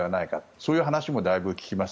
そういう話もだいぶ聞きます。